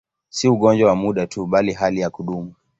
Si ugonjwa wa muda tu, bali hali ya kudumu.